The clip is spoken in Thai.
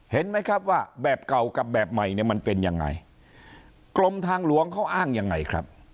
เห็นไหมครับว่าแบบเก่ากับแบบใหม่เนี่ยมันเป็นยังไงกรมทางหลวงเขาอ้างยังไงครับ